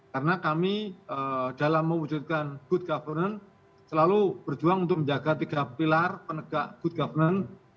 karena kami dalam mewujudkan good governance selalu berjuang untuk menjaga tiga pilar penegak good governance